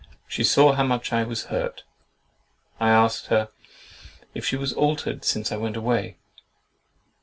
She saw how much I was hurt. I asked her, "If she was altered since I went away?"